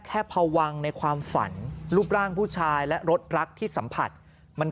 พวังในความฝันรูปร่างผู้ชายและรถรักที่สัมผัสมัน